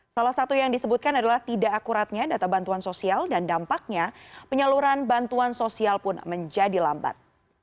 salah satu yang disebutkan adalah tidak akuratnya data bantuan sosial dan dampaknya penyaluran bantuan sosial pun menjadi lambat